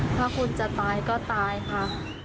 ถ้าคุณจะตายก็ตายค่ะ